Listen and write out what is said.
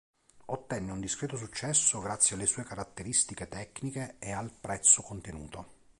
Ottenne un discreto successo grazie alle sue caratteristiche tecniche e al prezzo contenuto.